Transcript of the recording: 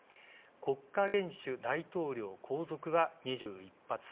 国家元首、大統領、皇族は２１発。